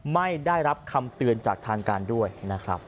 ไม่ได้รับคำเตือนจากทางการด้วยนะครับ